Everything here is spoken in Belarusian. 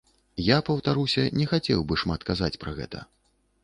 Я, паўтаруся, не хацеў бы шмат казаць пра гэта.